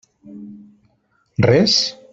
Res?